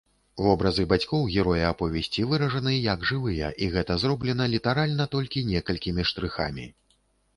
Вобразы бацькоў героя аповесці выражаны як жывыя, і гэта зроблена літаральна толькі некалькімі штрыхамі.